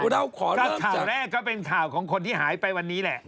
เราขอรับข่าวแรกก็เป็นข่าวของคนที่หายไปวันนี้แหละ